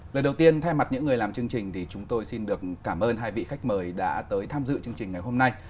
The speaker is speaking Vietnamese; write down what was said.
lời đầu tiên thay mặt những người làm chương trình thì chúng tôi xin được cảm ơn hai vị khách mời đã tới tham dự chương trình ngày hôm nay